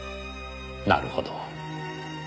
なるほど。